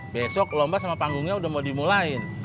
besok lomba sama panggungnya udah mau dimulai